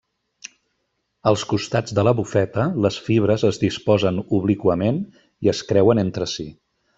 Als costats de la bufeta, les fibres es disposen obliquament i es creuen entre si.